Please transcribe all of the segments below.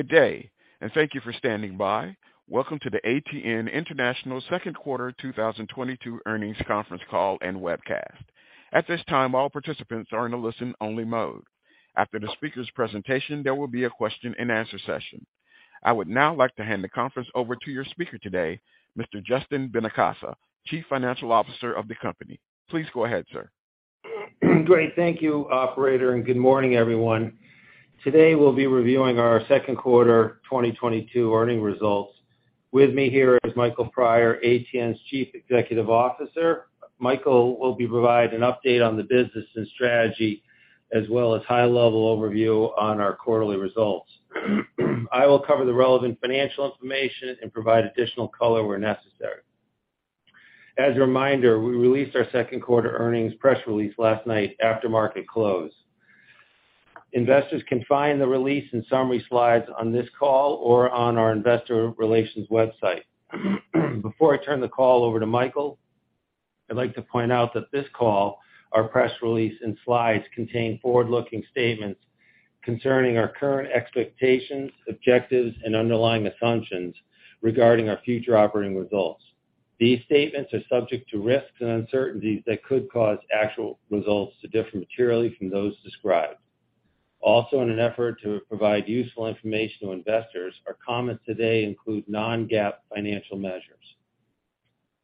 Good day, and thank you for standing by. Welcome to the ATN International second quarter 2022 earnings conference call and webcast. At this time, all participants are in a listen-only mode. After the speaker's presentation, there will be a question-and-answer session. I would now like to hand the conference over to your speaker today, Mr. Justin Benincasa, Chief Financial Officer of the company. Please go ahead, sir. Great. Thank you, operator, and good morning, everyone. Today, we'll be reviewing our second quarter 2022 earnings results. With me here is Michael Prior, ATN's Chief Executive Officer. Michael will be providing an update on the business and strategy as well as high-level overview on our quarterly results. I will cover the relevant financial information and provide additional color where necessary. As a reminder, we released our second quarter earnings press release last night after market close. Investors can find the release and summary slides on this call or on our Investor Relations website. Before I turn the call over to Michael, I'd like to point out that this call, our press release and slides contain forward-looking statements concerning our current expectations, objectives, and underlying assumptions regarding our future operating results. These statements are subject to risks and uncertainties that could cause actual results to differ materially from those described. Also, in an effort to provide useful information to investors, our comments today include non-GAAP financial measures.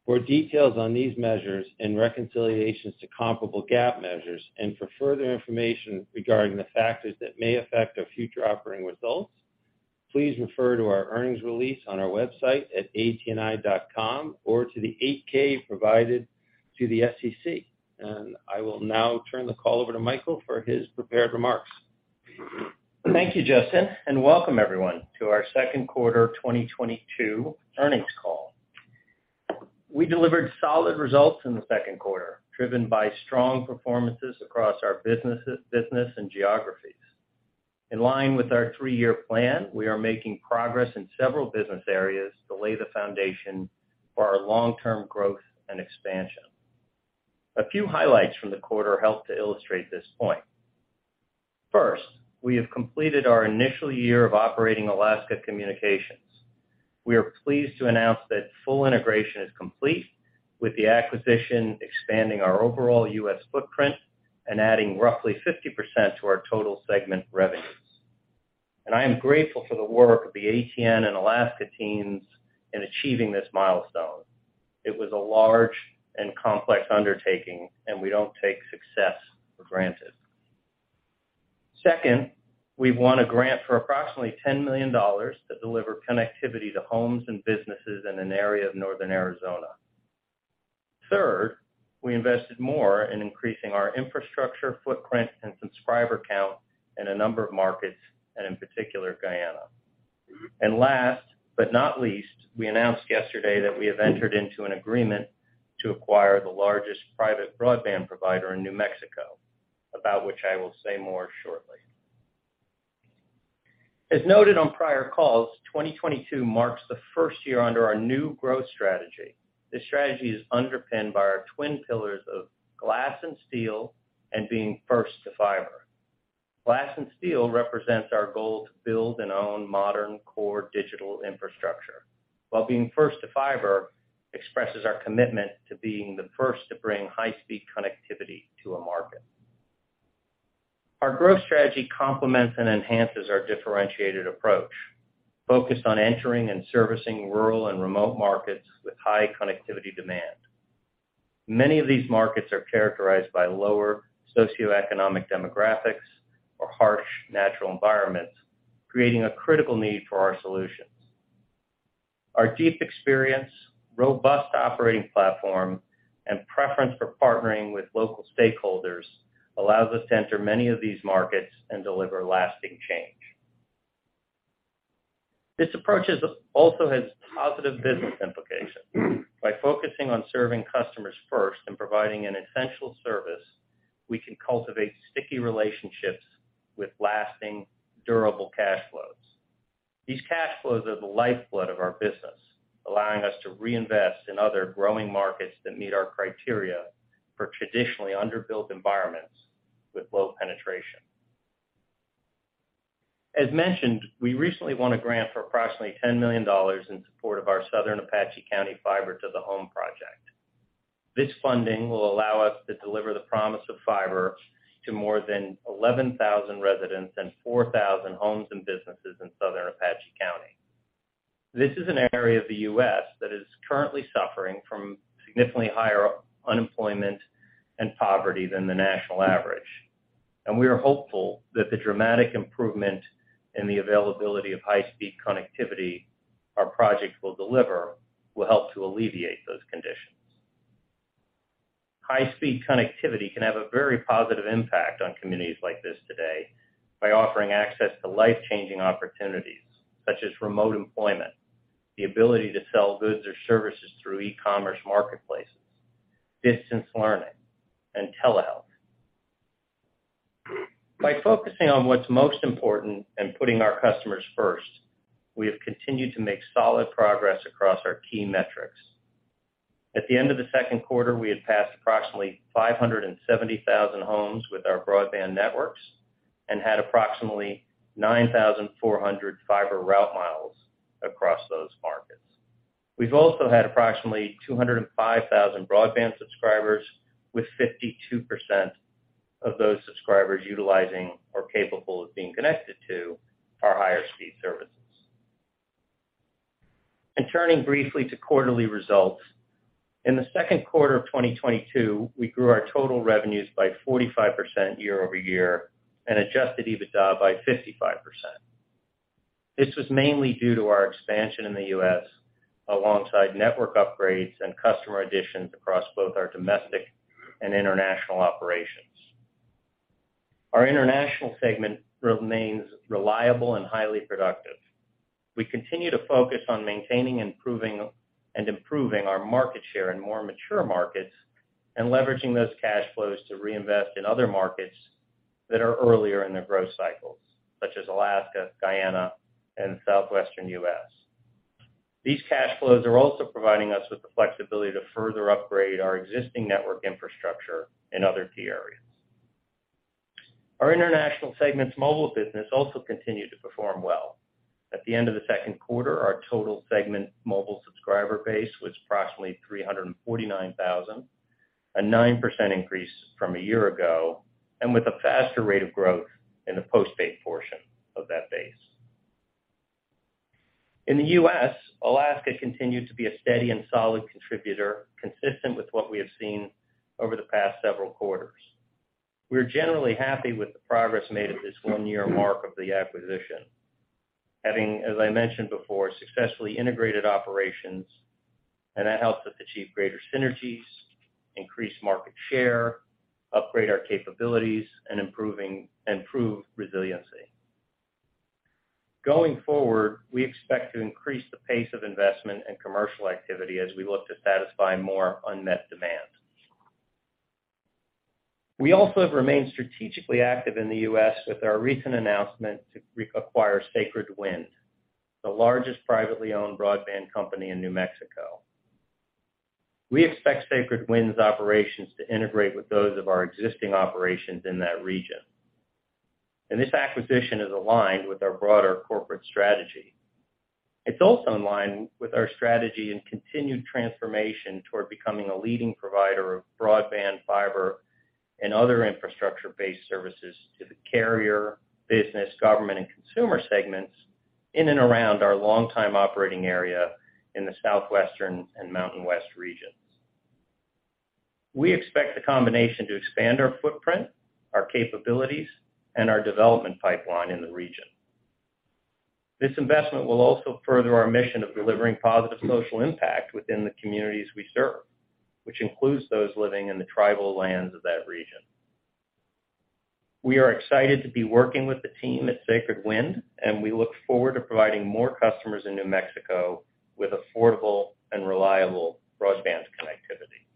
For details on these measures and reconciliations to comparable GAAP measures and for further information regarding the factors that may affect our future operating results, please refer to our earnings release on our website at atni.com or to the 8-K provided to the SEC. I will now turn the call over to Michael for his prepared remarks. Thank you, Justin, and welcome everyone to our second quarter 2022 earnings call. We delivered solid results in the second quarter, driven by strong performances across our businesses and geographies. In line with our three-year plan, we are making progress in several business areas to lay the foundation for our long-term growth and expansion. A few highlights from the quarter help to illustrate this point. First, we have completed our initial year of operating Alaska Communications. We are pleased to announce that full integration is complete, with the acquisition expanding our overall U.S. footprint and adding roughly 50% to our total segment revenues. I am grateful for the work of the ATN and Alaska teams in achieving this milestone. It was a large and complex undertaking, and we don't take success for granted. Second, we won a grant for approximately $10 million to deliver connectivity to homes and businesses in an area of Northern Arizona. Third, we invested more in increasing our infrastructure footprint and subscriber count in a number of markets, and in particular, Guyana. Last but not least, we announced yesterday that we have entered into an agreement to acquire the largest private broadband provider in New Mexico, about which I will say more shortly. As noted on prior calls, 2022 marks the first year under our new growth strategy. This strategy is underpinned by our twin pillars of Glass and Steel and being First to Fiber. Glass and Steel represents our goal to build and own modern core digital infrastructure, while being First to Fiber expresses our commitment to being the first to bring high-speed connectivity to a market. Our growth strategy complements and enhances our differentiated approach, focused on entering and servicing rural and remote markets with high connectivity demand. Many of these markets are characterized by lower socioeconomic demographics or harsh natural environments, creating a critical need for our solutions. Our deep experience, robust operating platform, and preference for partnering with local stakeholders allows us to enter many of these markets and deliver lasting change. This approach also has positive business implications. By focusing on serving customers first and providing an essential service, we can cultivate sticky relationships with lasting, durable cash flows. These cash flows are the lifeblood of our business, allowing us to reinvest in other growing markets that meet our criteria for traditionally underbuilt environments with low penetration. As mentioned, we recently won a grant for approximately $10 million in support of our Southern Apache County Fiber to the Home project. This funding will allow us to deliver the promise of fiber to more than 11,000 residents and 4,000 homes and businesses in Southern Apache County. This is an area of the U.S. that is currently suffering from significantly higher unemployment and poverty than the national average, and we are hopeful that the dramatic improvement in the availability of high-speed connectivity our project will deliver will help to alleviate those conditions. High-speed connectivity can have a very positive impact on communities like this today by offering access to life-changing opportunities such as remote employment, the ability to sell goods or services through e-commerce marketplaces, distance learning, and telehealth. By focusing on what's most important and putting our customers first, we have continued to make solid progress across our key metrics. At the end of the second quarter, we had passed approximately 570,000 homes with our broadband networks and had approximately 9,400 fiber route miles across those markets. We've also had approximately 205,000 broadband subscribers, with 52% of those subscribers utilizing or capable of being connected to our higher-speed services. Turning briefly to quarterly results. In the second quarter of 2022, we grew our total revenues by 45% year-over-year and Adjusted EBITDA by 55%. This was mainly due to our expansion in the U.S. alongside network upgrades and customer additions across both our domestic and international operations. Our international segment remains reliable and highly productive. We continue to focus on maintaining and improving our market share in more mature markets and leveraging those cash flows to reinvest in other markets that are earlier in their growth cycles, such as Alaska, Guyana, and Southwestern U.S. These cash flows are also providing us with the flexibility to further upgrade our existing network infrastructure in other key areas. Our international segment's mobile business also continued to perform well. At the end of the second quarter, our total segment mobile subscriber base was approximately 349,000, a 9% increase from a year ago, and with a faster rate of growth in the postpaid portion of that base. In the U.S., Alaska continued to be a steady and solid contributor, consistent with what we have seen over the past several quarters. We are generally happy with the progress made at this one-year mark of the acquisition, having, as I mentioned before, successfully integrated operations, and that helped us achieve greater synergies, increase market share, upgrade our capabilities, and improve resiliency. Going forward, we expect to increase the pace of investment and commercial activity as we look to satisfy more unmet demand. We also have remained strategically active in the U.S. with our recent announcement to reacquire Sacred Wind, the largest privately owned broadband company in New Mexico. We expect Sacred Wind's operations to integrate with those of our existing operations in that region, and this acquisition is aligned with our broader corporate strategy. It's also in line with our strategy and continued transformation toward becoming a leading provider of broadband, fiber, and other infrastructure-based services to the carrier, business, government, and consumer segments in and around our longtime operating area in the Southwestern and Mountain West regions. We expect the combination to expand our footprint, our capabilities, and our development pipeline in the region. This investment will also further our mission of delivering positive social impact within the communities we serve, which includes those living in the tribal lands of that region. We are excited to be working with the team at Sacred Wind, and we look forward to providing more customers in New Mexico with affordable and reliable broadband connectivity.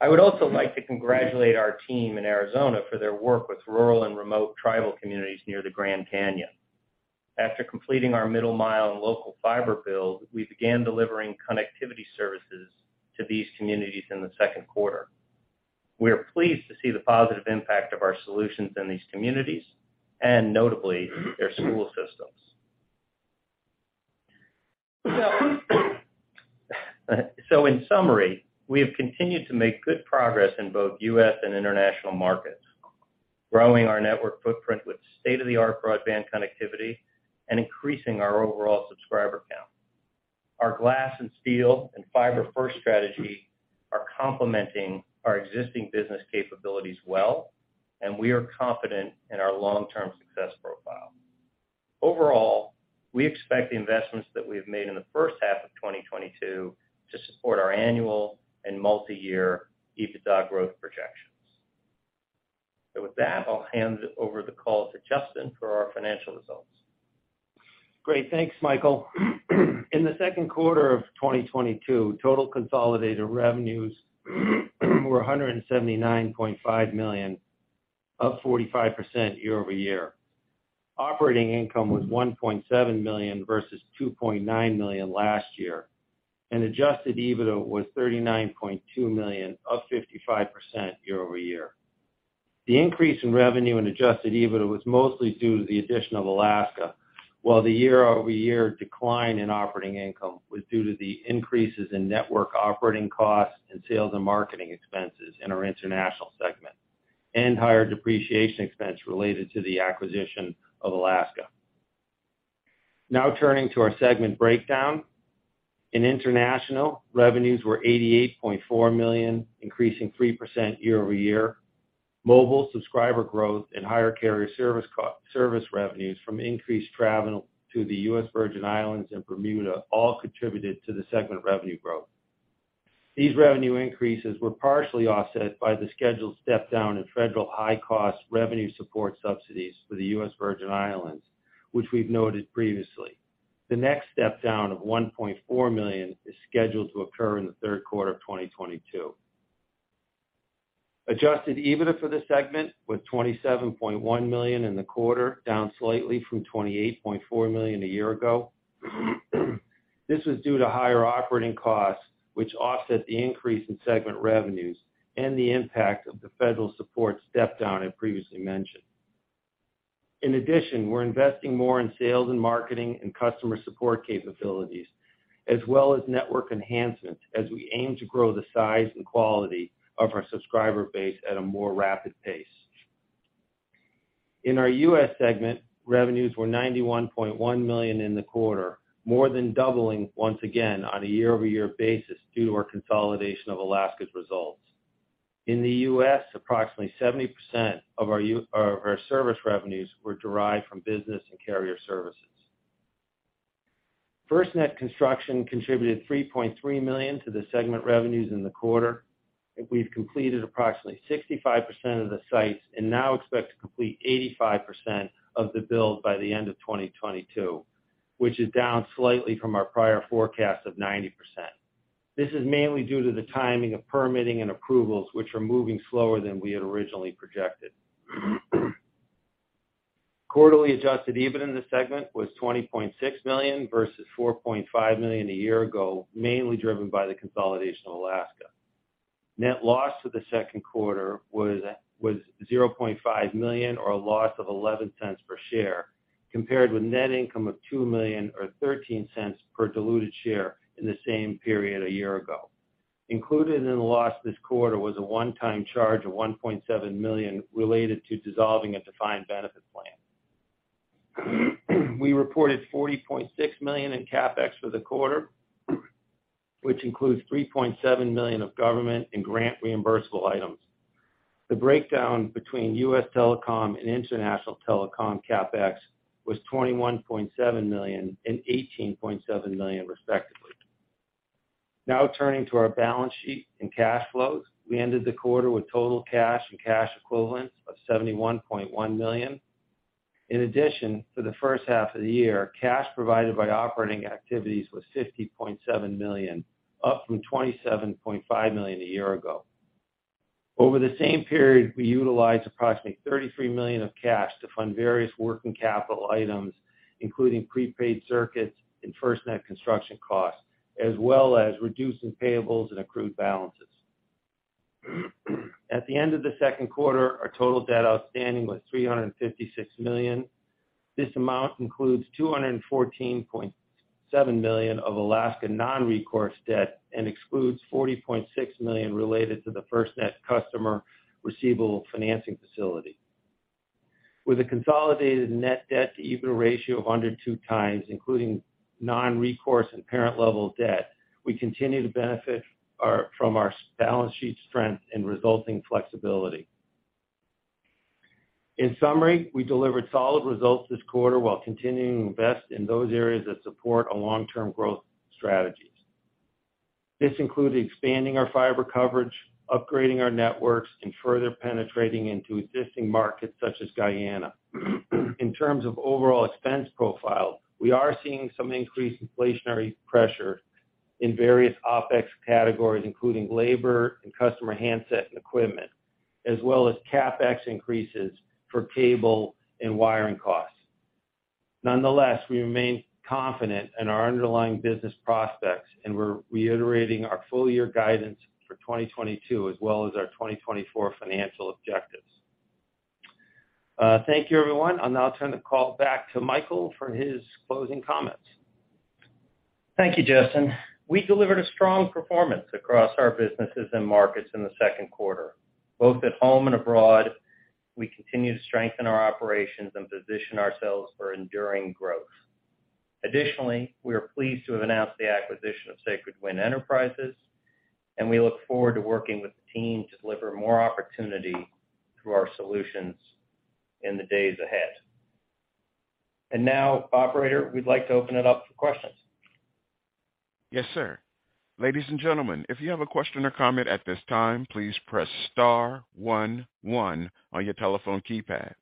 I would also like to congratulate our team in Arizona for their work with rural and remote tribal communities near the Grand Canyon. After completing our middle mile and local fiber build, we began delivering connectivity services to these communities in the second quarter. We are pleased to see the positive impact of our solutions in these communities and notably, their school systems. In summary, we have continued to make good progress in both U.S. and international markets, growing our network footprint with state-of-the-art broadband connectivity and increasing our overall subscriber count. Our Glass and Steel and fiber-first strategy are complementing our existing business capabilities well, and we are confident in our long-term success profile. Overall, we expect the investments that we have made in the first half of 2022 to support our annual and multiyear EBITDA growth projections. With that, I'll hand over the call to Justin for our financial results. Great. Thanks, Michael. In the second quarter of 2022, total consolidated revenues were $179.5 million, up 45% year-over-year. Operating income was $1.7 million versus $2.9 million last year, and Adjusted EBITDA was $39.2 million, up 55% year-over-year. The increase in revenue and Adjusted EBITDA was mostly due to the addition of Alaska, while the year-over-year decline in operating income was due to the increases in network operating costs and sales and marketing expenses in our international segment and higher depreciation expense related to the acquisition of Alaska. Now turning to our segment breakdown. In international, revenues were $88.4 million, increasing 3% year-over-year. Mobile subscriber growth and higher carrier services revenues from increased travel to the U.S. Virgin Islands and Bermuda all contributed to the segment revenue growth. These revenue increases were partially offset by the scheduled step-down in federal high-cost revenue support subsidies for the U.S. Virgin Islands, which we've noted previously. The next step-down of $1.4 million is scheduled to occur in the third quarter of 2022. Adjusted EBITDA for the segment was $27.1 million in the quarter, down slightly from $28.4 million a year ago. This was due to higher operating costs, which offset the increase in segment revenues and the impact of the federal support step down I previously mentioned. In addition, we're investing more in sales and marketing and customer support capabilities, as well as network enhancements as we aim to grow the size and quality of our subscriber base at a more rapid pace. In our U.S. segment, revenues were $91.1 million in the quarter, more than doubling once again on a year-over-year basis due to our consolidation of Alaska's results. In the U.S., approximately 70% of our service revenues were derived from business and carrier services. FirstNet construction contributed $3.3 million to the segment revenues in the quarter, and we've completed approximately 65% of the sites and now expect to complete 85% of the build by the end of 2022, which is down slightly from our prior forecast of 90%. This is mainly due to the timing of permitting and approvals, which are moving slower than we had originally projected. Quarterly Adjusted EBITDA in the segment was $20.6 million versus $4.5 million a year ago, mainly driven by the consolidation of Alaska. Net loss for the second quarter was $0.5 million or a loss of $0.11 per share, compared with net income of $2 million or $0.13 per diluted share in the same period a year ago. Included in the loss this quarter was a one-time charge of $1.7 million related to dissolving a defined benefit plan. We reported $40.6 million in CapEx for the quarter, which includes $3.7 million of government and grant reimbursable items. The breakdown between U.S. Telecom and International Telecom CapEx was $21.7 million and $18.7 million respectively. Now turning to our balance sheet and cash flows. We ended the quarter with total cash and cash equivalents of $71.1 million. In addition, for the first half of the year, cash provided by operating activities was $50.7 million, up from $27.5 million a year ago. Over the same period, we utilized approximately $33 million of cash to fund various working capital items, including prepaid circuits and FirstNet construction costs, as well as reducing payables and accrued balances. At the end of the second quarter, our total debt outstanding was $356 million. This amount includes $214.7 million of Alaska non-recourse debt and excludes $40.6 million related to the FirstNet customer receivable financing facility. With a consolidated net debt to EBITDA ratio of under 2x, including non-recourse and parent level debt, we continue to benefit from our balance sheet strength and resulting flexibility. In summary, we delivered solid results this quarter while continuing to invest in those areas that support our long-term growth strategies. This includes expanding our fiber coverage, upgrading our networks, and further penetrating into existing markets such as Guyana. In terms of overall expense profile, we are seeing some increased inflationary pressure in various OpEx categories, including labor and customer handset and equipment, as well as CapEx increases for cable and wiring costs. Nonetheless, we remain confident in our underlying business prospects, and we're reiterating our full-year guidance for 2022 as well as our 2024 financial objectives. Thank you, everyone. I'll now turn the call back to Michael for his closing comments. Thank you, Justin. We delivered a strong performance across our businesses and markets in the second quarter. Both at home and abroad, we continue to strengthen our operations and position ourselves for enduring growth. Additionally, we are pleased to have announced the acquisition of Sacred Wind Enterprises, and we look forward to working with the team to deliver more opportunity through our solutions in the days ahead. Now, operator, we'd like to open it up for questions. Yes, sir. Ladies and gentlemen, if you have a question or comment at this time, please press star one one on your telephone keypad.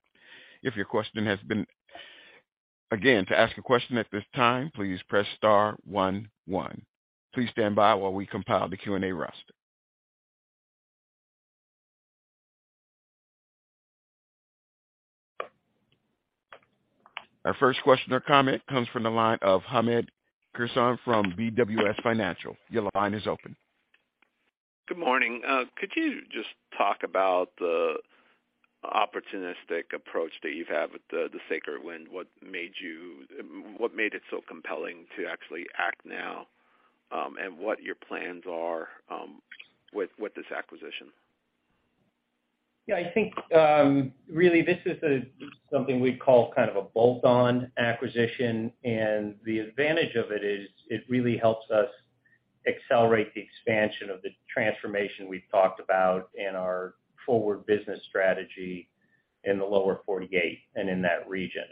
Again, to ask a question at this time, please press star one one. Please stand by while we compile the Q&A roster. Our first question or comment comes from the line of Hamed Khorsand from BWS Financial. Your line is open. Good morning. Could you just talk about the opportunistic approach that you have with the Sacred Wind? What made it so compelling to actually act now, and what your plans are with this acquisition? Yeah, I think, really this is a something we'd call kind of a bolt-on acquisition, and the advantage of it is it really helps us accelerate the expansion of the transformation we've talked about in our forward business strategy in the lower 48 and in that region.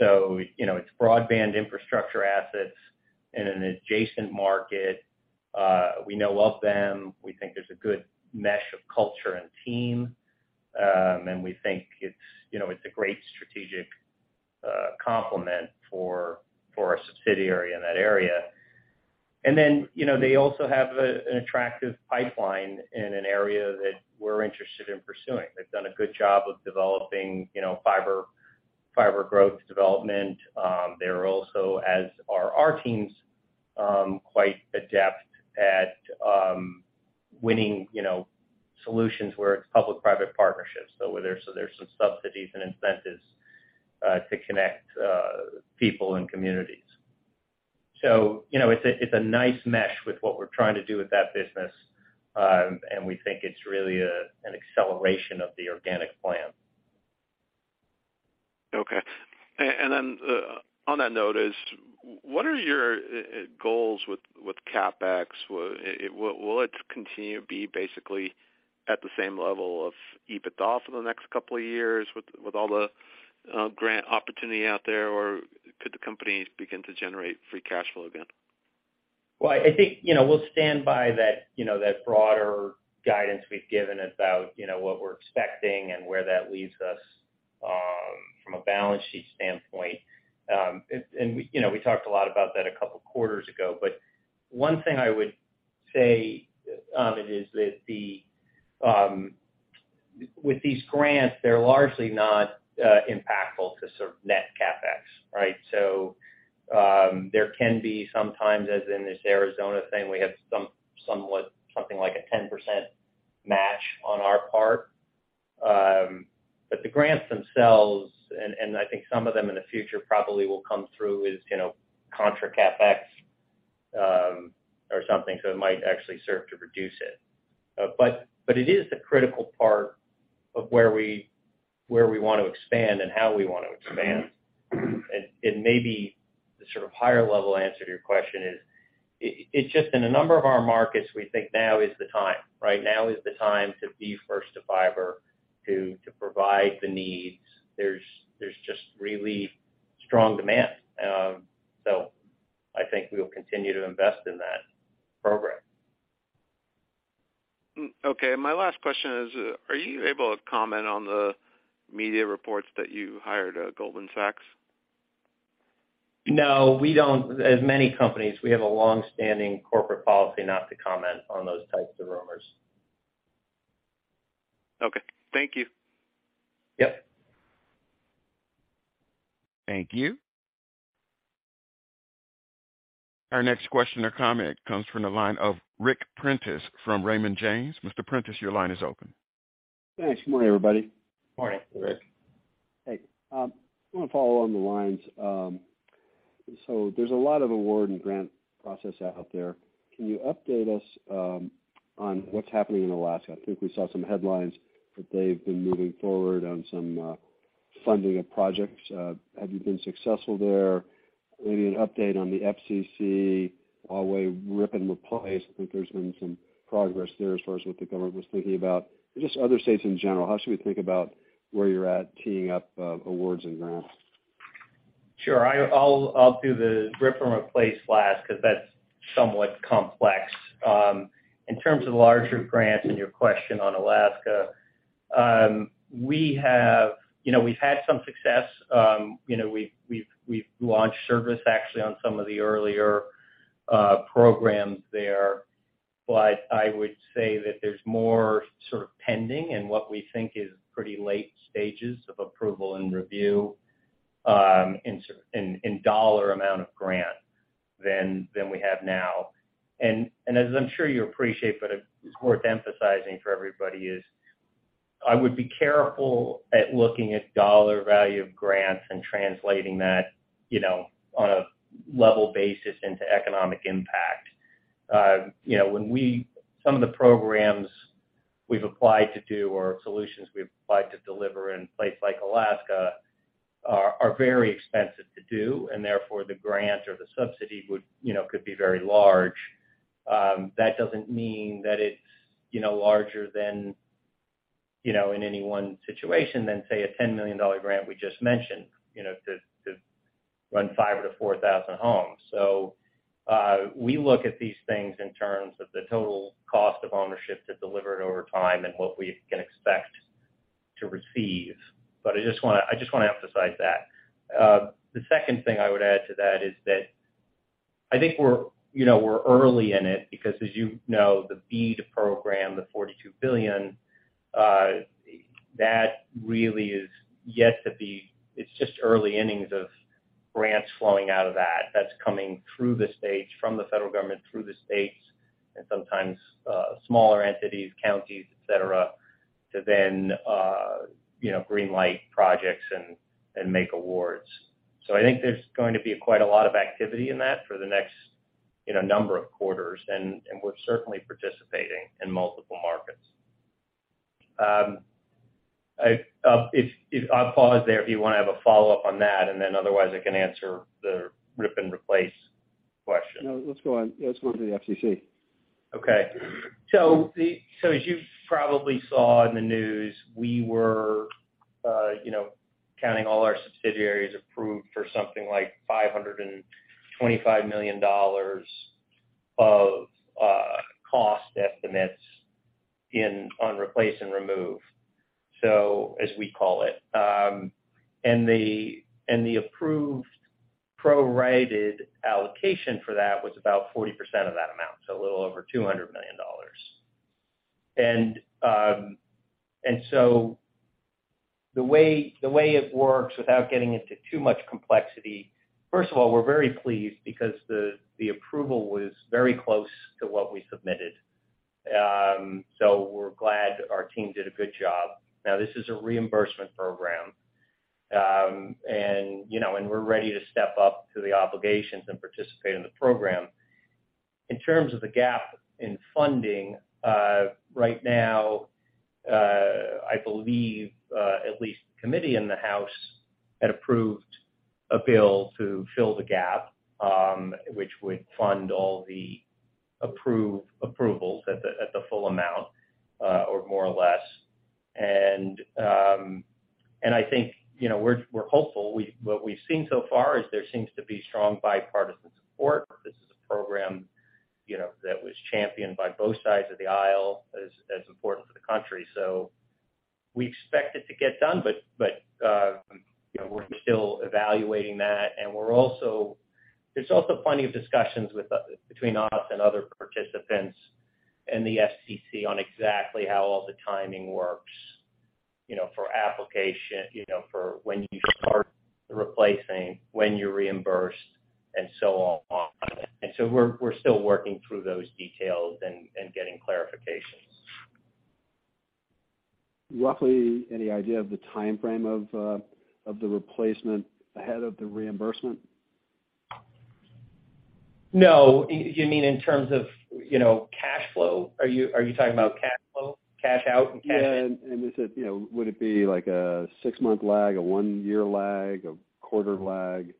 You know, it's broadband infrastructure assets in an adjacent market. We know of them. We think there's a good mesh of culture and team. And we think it's, you know, it's a great strategic complement for our subsidiary in that area. You know, they also have an attractive pipeline in an area that we're interested in pursuing. They've done a good job of developing, you know, fiber growth development. They're also, as are our teams, quite adept at winning, you know, solutions where it's public-private partnerships. There's some subsidies and incentives to connect people and communities. You know, it's a nice mesh with what we're trying to do with that business, and we think it's really an acceleration of the organic plan. Okay. On that note, what are your goals with CapEx? Will it continue to be basically at the same level of EBITDA for the next couple of years with all the grant opportunity out there, or could the company begin to generate free cash flow again? Well, I think, you know, we'll stand by that, you know, that broader guidance we've given about, you know, what we're expecting and where that leaves us from a balance sheet standpoint. We, you know, we talked a lot about that a couple of quarters ago. One thing I would say is that with these grants, they're largely not impactful to sort of net CapEx, right? There can be sometimes, as in this Arizona thing, we have something like a 10% match on our part. The grants themselves and I think some of them in the future probably will come through as, you know, contra CapEx, or something. It might actually serve to reduce it. It is the critical part of where we want to expand and how we want to expand. Maybe the sort of higher level answer to your question is, it's just in a number of our markets, we think now is the time, right? Now is the time to be first to fiber to provide the needs. There's just really strong demand. I think we will continue to invest in that program. Okay. My last question is, are you able to comment on the media reports that you hired Goldman Sachs? No, we don't. As many companies, we have a long-standing corporate policy not to comment on those types of rumors. Okay, thank you. Yep. Thank you. Our next question or comment comes from the line of Ric Prentiss from Raymond James. Mr. Prentiss, your line is open. Thanks. Good morning, everybody. Morning, Ric. Hey, I want to follow on the lines, so there's a lot of award and grant process out there. Can you update us on what's happening in Alaska? I think we saw some headlines that they've been moving forward on some funding of projects. Have you been successful there? Maybe an update on the FCC, Huawei rip and replace. I think there's been some progress there as far as what the government was thinking about. Just other states in general, how should we think about where you're at teeing up awards and grants? Sure. I'll do the rip and replace last because that's somewhat complex. In terms of larger grants and your question on Alaska, we have, you know, we've had some success. You know, we've launched service actually on some of the earlier programs there. I would say that there's more sort of pending and what we think is pretty late stages of approval and review in dollar amount of grants than we have now. As I'm sure you appreciate, but it's worth emphasizing for everybody, is I would be careful at looking at dollar value of grants and translating that, you know, on a level basis into economic impact. You know, some of the programs we've applied to do or solutions we've applied to deliver in a place like Alaska are very expensive to do, and therefore, the grant or the subsidy would, you know, could be very large. That doesn't mean that it's, you know, larger than, you know, in any one situation than, say, a $10 million grant we just mentioned, you know, to run fiber to 4,000 homes. We look at these things in terms of the total cost of ownership to deliver it over time and what we can expect to receive. I just wanna emphasize that. The second thing I would add to that is that I think we're, you know, we're early in it because as you know, the BEAD program, the $42 billion, that really is yet to be. It's just early innings of grants flowing out of that. That's coming through the states, from the federal government, through the states and sometimes smaller entities, counties, et cetera, to then, you know, greenlight projects and make awards. So I think there's going to be quite a lot of activity in that for the next, you know, number of quarters, and we're certainly participating in multiple markets. I, if I'll pause there if you wanna have a follow-up on that, and then otherwise I can answer the rip and replace question. No, let's go on. Let's go to the FCC. Okay. As you probably saw in the news, we had all our subsidiaries approved for something like $525 million of estimates in the rip and replace, so as we call it. The approved prorated allocation for that was about 40% of that amount, so a little over $200 million. The way it works without getting into too much complexity, first of all, we're very pleased because the approval was very close to what we submitted. We're glad our team did a good job. Now this is a reimbursement program, you know, and we're ready to step up to the obligations and participate in the program. In terms of the gap in funding, right now, I believe at least the committee in the House had approved a bill to fill the gap, which would fund all the approvals at the full amount, or more or less. I think, you know, we're hopeful. What we've seen so far is there seems to be strong bipartisan support. This is a program, you know, that was championed by both sides of the aisle as important to the country. We expect it to get done, but, you know, we're still evaluating that. We're also—there's also plenty of discussions with us, between us and other participants and the FCC on exactly how all the timing works, you know, for application, you know, for when you start the replacing, when you're reimbursed, and so on. We're still working through those details and getting clarifications. Roughly, any idea of the timeframe of the replacement ahead of the reimbursement? No. You mean in terms of, you know, cash flow? Are you talking about cash flow? Cash out and cash in? Yeah. Is it, you know, would it be like a six-month lag, a one-year lag, a quarter lag?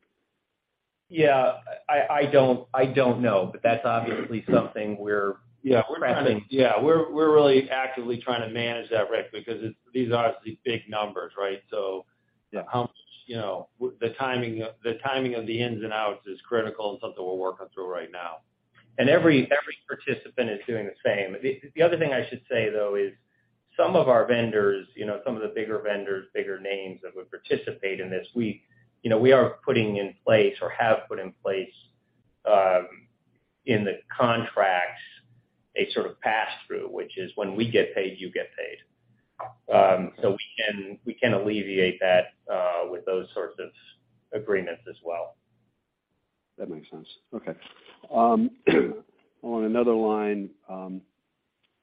Yeah. I don't know. That's obviously something we're- Yeah. -tracking. Yeah. We're really actively trying to manage that, Ric, because it's, these are obviously big numbers, right? Yeah. How much, you know, the timing of the ins and outs is critical, and something we're working through right now. Every participant is doing the same. The other thing I should say, though, is some of our vendors, you know, some of the bigger vendors, bigger names that would participate in this, we, you know, we are putting in place or have put in place in the contracts a sort of pass-through, which is when we get paid, you get paid. So we can alleviate that with those sorts of agreements as well. That makes sense. Okay. On another line,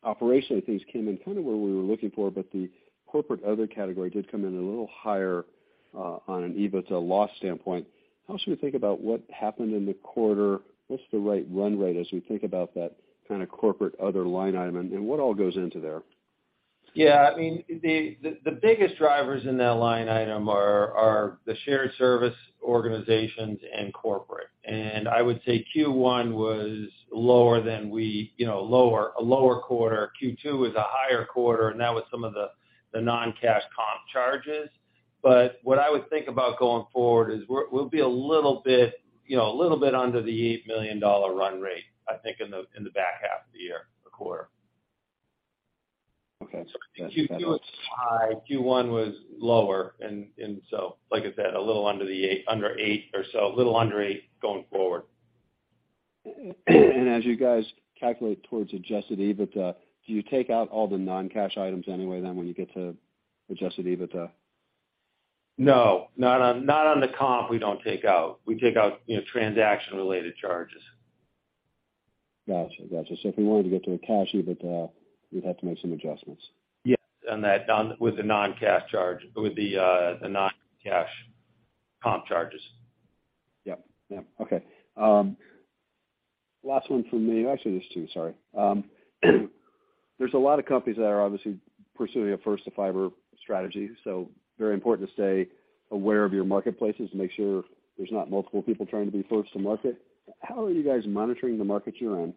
operationally, things came in kind of where we were looking for, but the corporate other category did come in a little higher on an EBITDA loss standpoint. How should we think about what happened in the quarter? What's the right run rate as we think about that kind of corporate other line item, and what all goes into there? Yeah. I mean, the biggest drivers in that line item are the shared service organizations and corporate. I would say Q1 was lower, a lower quarter. Q2 was a higher quarter, and that was some of the non-cash comp charges. But what I would think about going forward is we'll be a little bit, you know, a little bit under the $8 million run rate, I think, in the back half of the year or quarter. Okay. Q2 was high, Q1 was lower. Like I said, a little under eight or so. A little under eight going forward. As you guys calculate toward Adjusted EBITDA, do you take out all the non-cash items anyway then when you get to Adjusted EBITDA? No. Not on the comp, we don't take out. We take out, you know, transaction-related charges. Gotcha. If we wanted to get to a cash EBITDA, we'd have to make some adjustments. Yes. On that with the non-cash charge. With the non-cash comp charges. Okay. Last one for me. Actually, there's two, sorry. There's a lot of companies that are obviously pursuing a first-to-fiber strategy, so very important to stay aware of your marketplaces to make sure there's not multiple people trying to be first to market. How are you guys monitoring the markets you're in?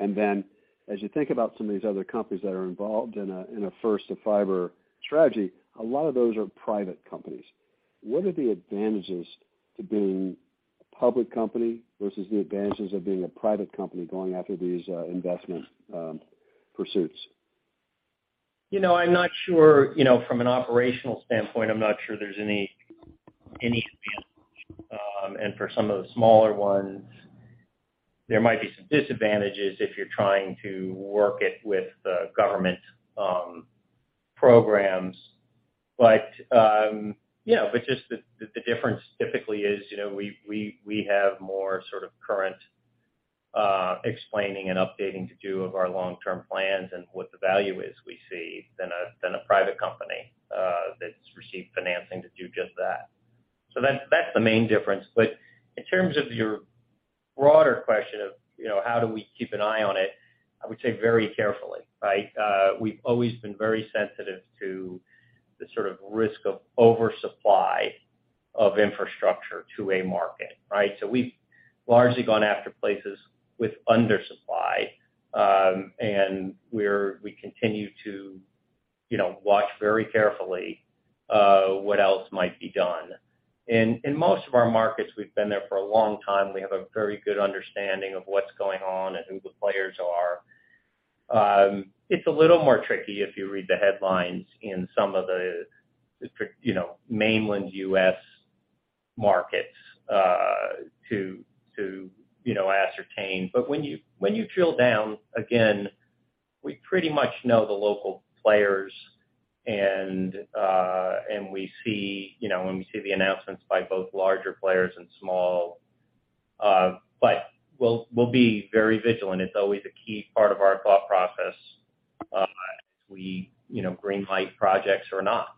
As you think about some of these other companies that are involved in a first-to-fiber strategy, a lot of those are private companies. What are the advantages to being a public company versus the advantages of being a private company going after these investment pursuits? You know, I'm not sure. You know, from an operational standpoint, I'm not sure there's any advantage. For some of the smaller ones, there might be some disadvantages if you're trying to work with the government programs. Yeah, but just the difference typically is, you know, we have more sort of current explaining and updating to do of our long-term plans and what the value is we see than a private company that's received financing to do just that. That's the main difference. In terms of your broader question of, you know, how do we keep an eye on it, I would say very carefully, right? We've always been very sensitive to the sort of risk of oversupply of infrastructure to a market, right? We've largely gone after places with undersupply, and we continue to you know, watch very carefully what else might be done. In most of our markets, we've been there for a long time. We have a very good understanding of what's going on and who the players are. It's a little more tricky if you read the headlines in some of the, you know, mainland U.S. markets, to you know, ascertain. When you drill down, again, we pretty much know the local players and and we see, you know, when we see the announcements by both larger players and small. But we'll be very vigilant. It's always a key part of our thought process, as we you know, greenlight projects or not.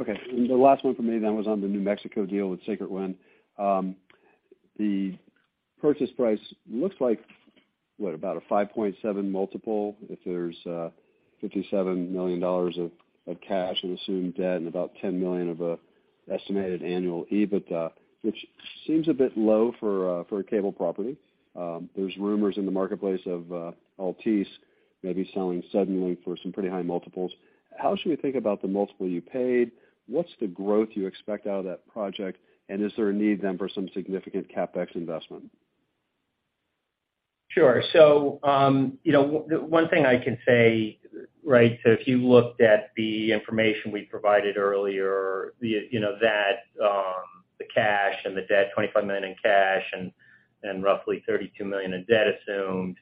Okay. The last one for me then was on the New Mexico deal with Sacred Wind. The purchase price looks like, what, about a 5.7 multiple if there's $57 million of cash and assumed debt and about $10 million of estimated annual EBITDA, which seems a bit low for a cable property. There's rumors in the marketplace of Altice maybe selling suddenly for some pretty high multiples. How should we think about the multiple you paid? What's the growth you expect out of that project? Is there a need then for some significant CapEx investment? Sure. You know, one thing I can say, right, if you looked at the information we provided earlier, the, you know, that, the cash and the debt, $25 million in cash and roughly $32 million in debt assumed.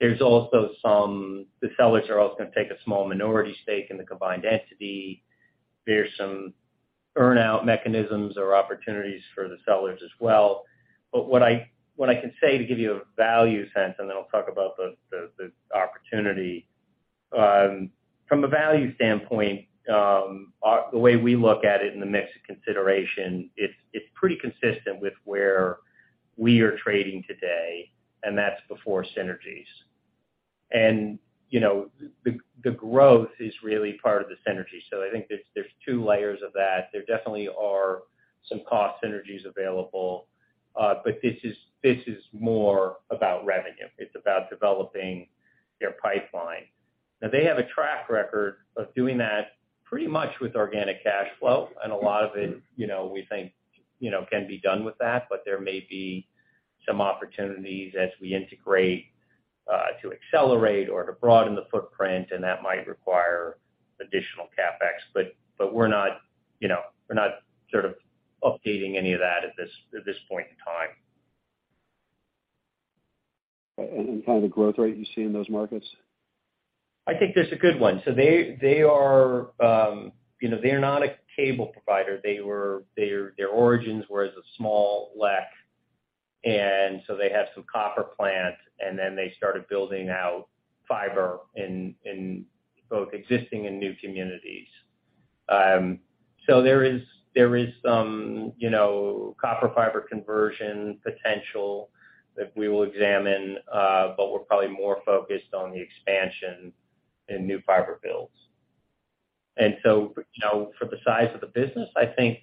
There's also some, the sellers are also gonna take a small minority stake in the combined entity. There's some earn-out mechanisms or opportunities for the sellers as well. What I can say to give you a value sense, and then I'll talk about the opportunity. From a value standpoint, our, the way we look at it in the mix of consideration, it's pretty consistent with where we are trading today, and that's before synergies. You know, the growth is really part of the synergy. I think there's two layers of that. There definitely are some cost synergies available, but this is more about revenue. It's about developing their pipeline. Now they have a track record of doing that pretty much with organic cash flow. A lot of it, you know, we think, you know, can be done with that. There may be some opportunities as we integrate to accelerate or to broaden the footprint, and that might require additional CapEx. We're not, you know, we're not sort of updating any of that at this point in time. Kind of the growth rate you see in those markets? I think there's a good one. They are, you know, they're not a cable provider. Their origins were as a small LEC, and so they had some copper plant, and then they started building out fiber in both existing and new communities. There is some, you know, copper fiber conversion potential that we will examine, but we're probably more focused on the expansion in new fiber builds. You know, for the size of the business, I think,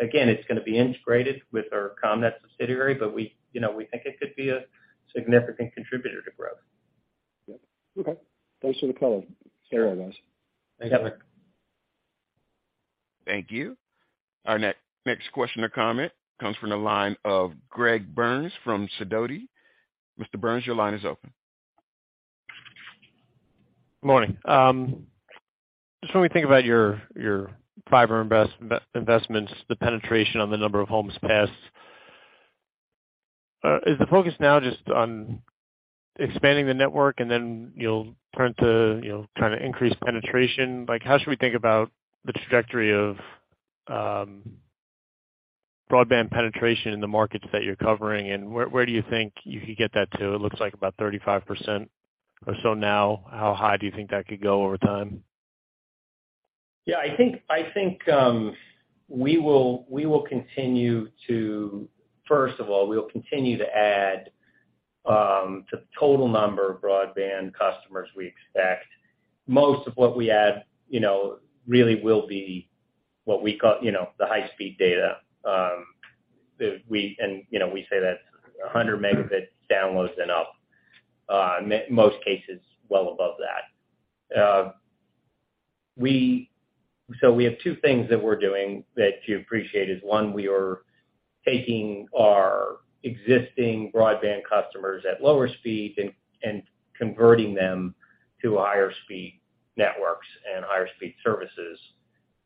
again, it's gonna be integrated with our Commnet subsidiary, but we, you know, we think it could be a significant contributor to growth. Yep. Okay. Thanks for the color. Cheers guys. Thank you. Thank you. Our next question or comment comes from the line of Greg Burns from Sidoti. Mr. Burns, your line is open. Morning. Just when we think about your fiber investments, the penetration on the number of homes passed. Is the focus now just on expanding the network and then you'll turn to, you know, trying to increase penetration? Like, how should we think about the trajectory of broadband penetration in the markets that you're covering? Where do you think you could get that to? It looks like about 35% or so now. How high do you think that could go over time? Yeah, I think we will continue to. First of all, we'll continue to add to total number of broadband customers we expect. Most of what we add, you know, really will be what we call, you know, the high-speed data, and, you know, we say that's 100 Mb downloads and up. In most cases, well above that. We have two things that we're doing that you appreciate is, one, we are taking our existing broadband customers at lower speed and converting them to higher speed networks and higher speed services.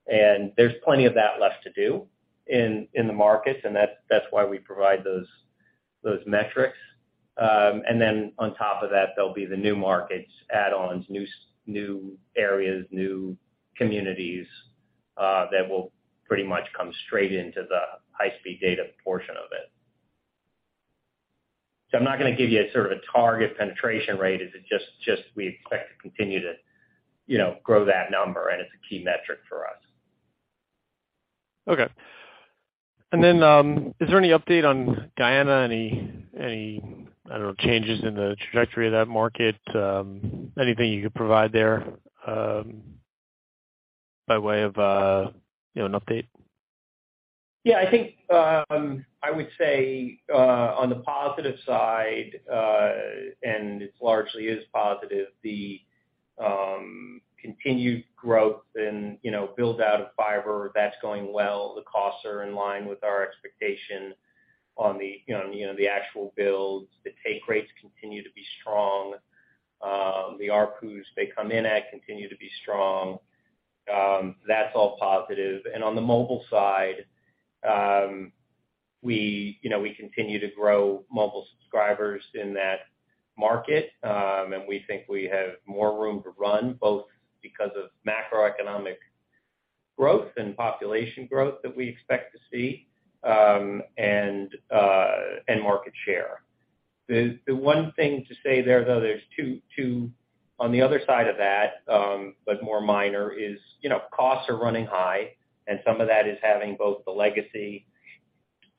There's plenty of that left to do in the markets, and that's why we provide those metrics. There'll be the new markets add-ons, new areas, new communities, that will pretty much come straight into the high-speed data portion of it. I'm not gonna give you a sort of a target penetration rate. It's just we expect to continue to, you know, grow that number, and it's a key metric for us. Okay. Is there any update on Guyana? Any, I don't know, changes in the trajectory of that market? Anything you could provide there, by way of, you know, an update. Yeah, I think, I would say, on the positive side, and it's largely positive, the continued growth and, you know, build out of fiber that's going well. The costs are in line with our expectations on the, you know, the actual builds. The take rates continue to be strong. The ARPU they come in at continue to be strong. That's all positive. On the mobile side, we, you know, we continue to grow mobile subscribers in that market. We think we have more room to run, both because of macroeconomic growth and population growth that we expect to see, and market share. The one thing to say there, though, there's two on the other side of that, but more minor is, you know, costs are running high, and some of that is having both the legacy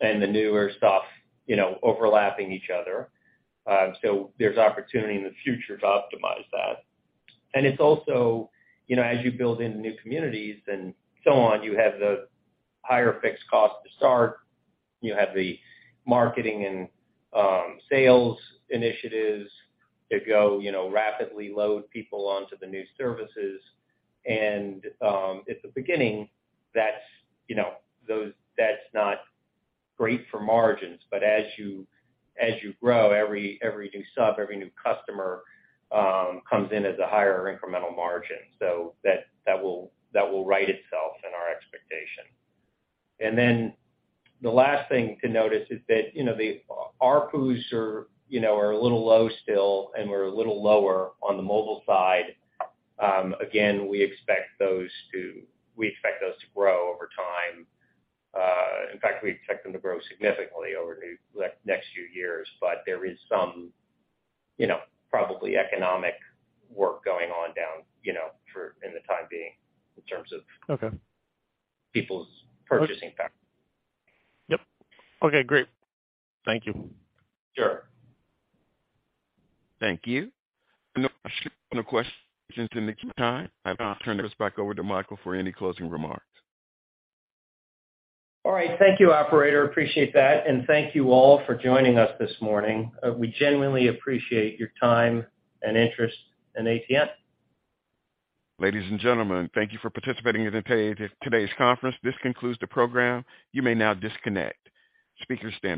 and the newer stuff, you know, overlapping each other. So there's opportunity in the future to optimize that. It's also, you know, as you build into new communities and so on, you have the higher fixed costs to start. You have the marketing and sales initiatives to go, you know, rapidly load people onto the new services. At the beginning, that's not great for margins. As you grow, every new sub, every new customer comes in as a higher incremental margin. That will right itself in our expectation. The last thing to notice is that, you know, the ARPU are a little low still, and we're a little lower on the mobile side. Again, we expect those to grow over time. In fact, we expect them to grow significantly over the next few years. There is some, you know, probably economic headwinds going on now, you know, for the time being in terms of. Okay. People's purchasing power. Yep. Okay, great. Thank you. Sure. Thank you. No questions in the queue at this time. I'll turn this back over to Michael for any closing remarks. All right. Thank you, operator. Appreciate that. Thank you all for joining us this morning. We genuinely appreciate your time and interest in ATN. Ladies and gentlemen, thank you for participating in today's conference. This concludes the program. You may now disconnect. Speakers stand by.